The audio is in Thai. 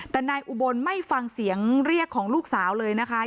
แต่นายอุบลไม่ฟังเสียงเรียกของลูกสาวเลยนะคะ